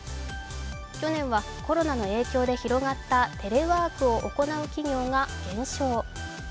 去年はコロナの影響で広がったテレワークを行う企業が減少。